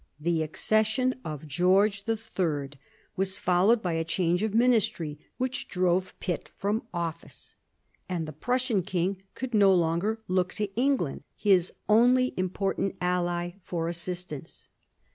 The accession of George III. was followed by a change of ministry which drove Pitt from office, and the Prussian king could no longer look to England, his only important ally, for assistance.